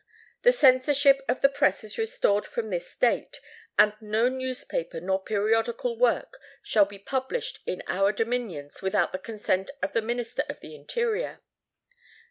The censorship of the press is restored from this date: and no newspaper nor periodical work shall be published in our dominions, without the consent of the Minister of the Interior.